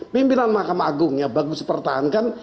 pimpinan mahkamah agung yang bagus dipertahankan